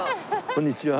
こんにちは。